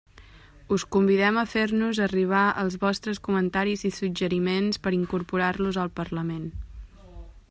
Us convidem a fer-nos arribar els vostres comentaris i suggeriments per incorporar-los al parlament.